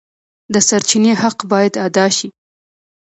د سرچینې حق باید ادا شي.